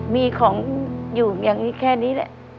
มีของอยู่อย่างนี้แค่นี้แหละ